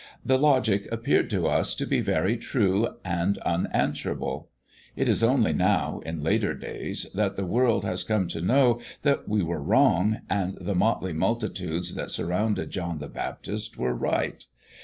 The logic appeared to us to be very true and unanswerable. It is only now, in later days, that the world has come to know that we were wrong, and the motley multitudes that surrounded John the Baptist were right.